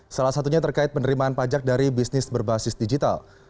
salah satunya terkait penerimaan pajak dari bisnis berbasis digital